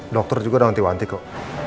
dokter juga udah nanti nanti kok